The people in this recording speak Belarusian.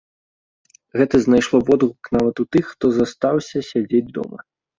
Гэта знайшло водгук нават у тых, хто застаўся сядзець дома.